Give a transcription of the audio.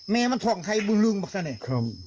แม่มันท้องไถ่บื้นลื่มบอกซะเนี่ย